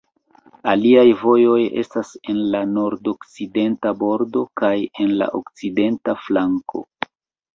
Aliaj vojoj estas en la nordokcidenta bordo kaj en la okcidenta flanko.